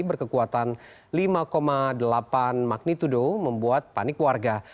berkekuatan lima delapan magnitudo membuat panik warga